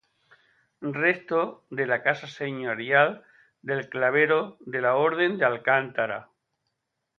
Resto de la casa señorial del clavero de la Orden de Alcántara.